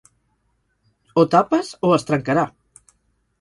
O tapes o es trencarà.